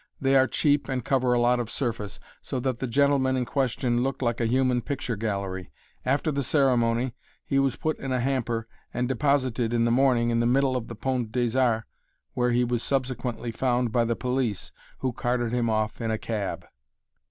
They are cheap and cover a lot of surface, so that the gentleman in question looked like a human picture gallery. After the ceremony, he was put in a hamper and deposited, in the morning, in the middle of the Pont des Arts, where he was subsequently found by the police, who carted him off in a cab.